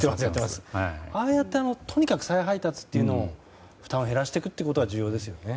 ああやって、とにかく再配達の負担を減らすことが大切ですよね。